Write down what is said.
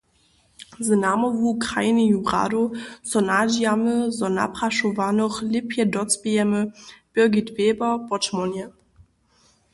Z namołwu krajneju radow so nadźijamy, zo naprašowanych lěpje docpějemy, Birgit Weber podšmórnje.